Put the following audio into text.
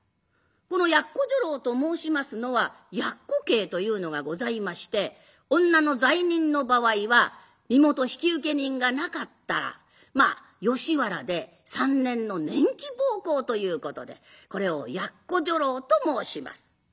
この奴女郎と申しますのは奴刑というのがございまして女の罪人の場合は身元引受人がなかったらまあ吉原で３年の年季奉公ということでこれを奴女郎と申します。